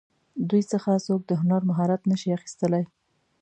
دوی څخه څوک د هنر مهارت نشي اخیستلی.